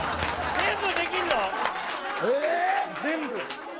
全部！